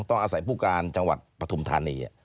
ต้องอาศัยผู้การจังหวัดปฐุมธานี